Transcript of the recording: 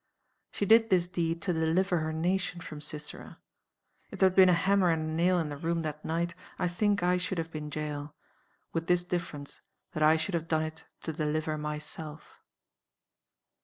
She did this deed to deliver her nation from Sisera. If there had been a hammer and a nail in the room that night, I think I should have been Jael with this difference, that I should have done it to deliver myself.